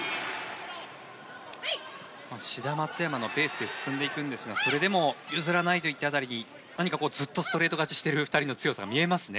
志田・松山のペースで進んでいくんですがそれでも譲らないといった辺りに何かずっとストレート勝ちしている２人の強さが見えますね。